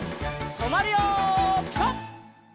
とまるよピタ！